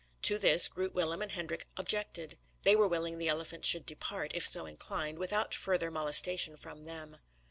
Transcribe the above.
To this, Groot Willem and Hendrik objected. They were willing the elephant should depart, if so inclined, without further molestation from them.